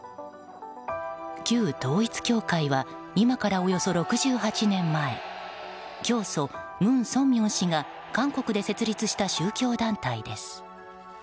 旧統一教会は今からおよそ６８年前教祖・文鮮明氏が韓国で設立した宗教団体です。